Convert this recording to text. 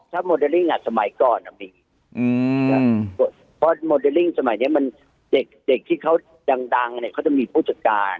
หากจะเป็นโมเดลลิ่งอ่ะเด็กที่เขาดังเขาจะมีผู้จัดการ